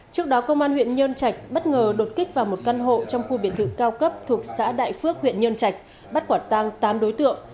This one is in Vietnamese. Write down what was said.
trước đó công an huyện nhơn trạch bất ngờ đột kích vào một căn hộ trong khu biệt thự cao cấp thuộc xã đại phước huyện nhân trạch bắt quả tang tám đối tượng